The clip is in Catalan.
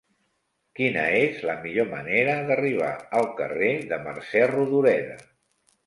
Quina és la millor manera d'arribar al carrer de Mercè Rodoreda?